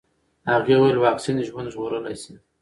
هغې وویل واکسین ژوند ژغورلی شي.